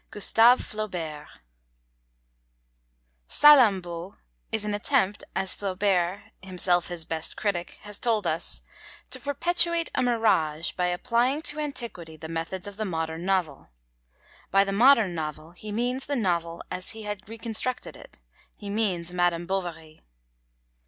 GUSTAVE FLAUBERT Salammbô is an attempt, as Flaubert, himself his best critic, has told us, to 'perpetuate a mirage by applying to antiquity the methods of the modern novel.' By the modern novel he means the novel as he had reconstructed it; he means Madame Bovary.